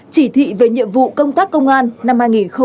chỉ thị về nhiệm vụ công tác công an năm hai nghìn hai mươi ba